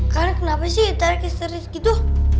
kan kenapa sih tarik istri segitu